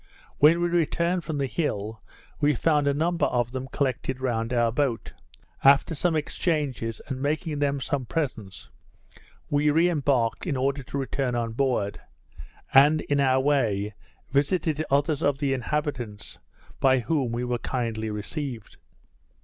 When we returned from the hill, we found a number of them collected round our boat. After some exchanges, and making them some presents, we embarked, in order to return on board; and, in our way, visited others of the inhabitants, by whom we were kindly received.